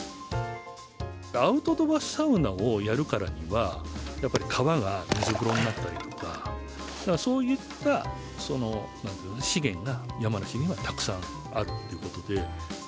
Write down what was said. アウトドアサウナをやるからには、やっぱり川が水風呂になったりとか、そういった資源が、山梨にはたくさんあるということで。